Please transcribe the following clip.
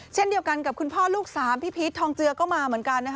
เช่นเดียวกันกับคุณพ่อลูกสามพี่พีชทองเจือก็มาเหมือนกันนะคะ